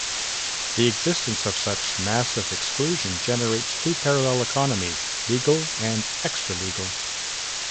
The existence of such massive exclusion generates two parallel economies, legal and extra legal.